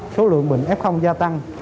số lượng bệnh f gia tăng